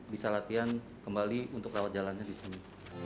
bisa latihan kembali untuk lewat jalannya di sini